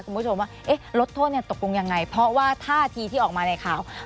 คุณผู้ชมว่าลดโทษตกลงยังไงเพราะว่าท่าทีที่ออกมาในข่าว